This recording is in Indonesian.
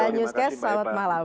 newscast selamat malam